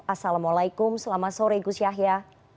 assalamualaikum selamat sore gus yahya